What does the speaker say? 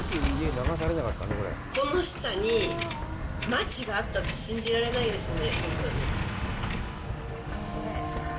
この下に街があったって信じられないですね。